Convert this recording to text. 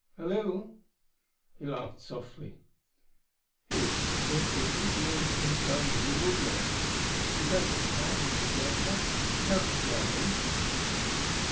"A little." He laughed softly. "It would be fearful to be marooned here permanently, wouldn't it? You don't think Harl would desert us? Purposely, I mean?"